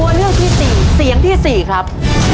ตัวเลือกที่สี่เสียงที่สี่ครับ